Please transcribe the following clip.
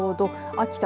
秋田